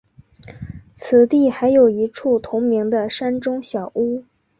此地还有一处同名的山中小屋。